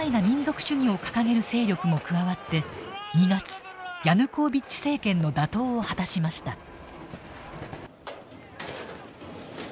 民族主義を掲げる勢力も加わって２月ヤヌコービッチ政権の打倒を果たしました。